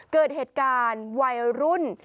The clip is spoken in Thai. เกิดเหตุการณ์วัยรุ่น